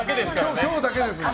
今日だけですので。